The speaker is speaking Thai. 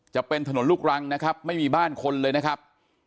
จะเป็นถนนลูกรังนะครับไม่มีบ้านคนเลยนะครับ